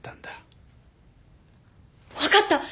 分かった！